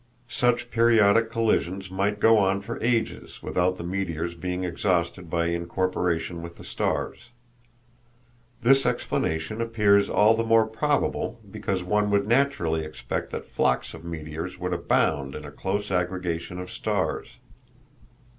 Such periodic collisions might go on for ages without the meteors being exhausted by incorporation with the stars. This explanation appears all the more probable because one would naturally expect that flocks of meteors would abound in a close aggregation of stars.